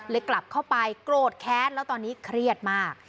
กลับเข้าไปโกรธแค้นแล้วตอนนี้เครียดมาก